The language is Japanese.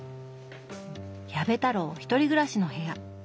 矢部太郎１人暮らしの部屋。